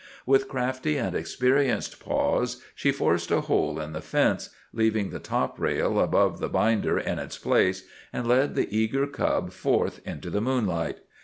With crafty and experienced paws she forced a hole in the fence—leaving the top rail, above the binder, in its place—and led the eager cub forth into the moonlight.